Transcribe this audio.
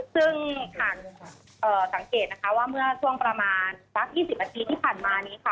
ซึ่งค่ะสังเกตนะคะว่าเมื่อช่วงประมาณสัก๒๐นาทีที่ผ่านมานี้ค่ะ